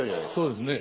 そうですね。